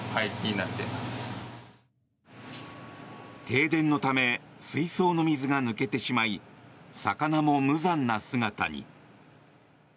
停電のため水槽の水が抜けてしまい魚も無残な姿に。